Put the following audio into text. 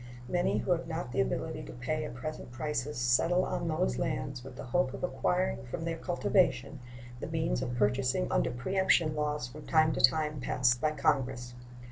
Many who have not the ability to buy at present prices settle on those lands with the hope of acquiring from their cultivation the means of purchasing under preemption laws from time to time passed by Congress.